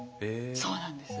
そうなんです。